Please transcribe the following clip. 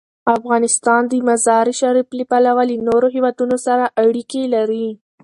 افغانستان د مزارشریف له پلوه له نورو هېوادونو سره اړیکې لري.